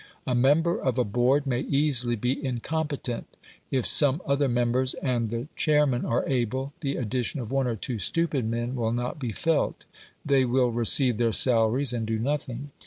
A member of a Board may easily be incompetent; if some other members and the chairmen are able, the addition of one or two stupid men will not be felt; they will receive their salaries and do nothing.